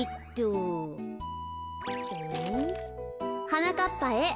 「はなかっぱへ。